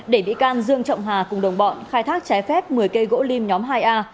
để bị can dương trọng hà cùng đồng bọn khai thác trái phép một mươi cây gỗ lim nhóm hai a